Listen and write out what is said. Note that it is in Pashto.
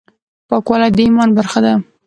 پاکوالی د ایمان برخه ده.